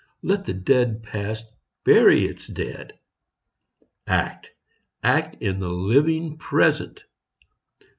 Let the dead Past bury its dead ! Act, — act in the living Present